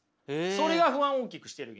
それが不安を大きくしている原因。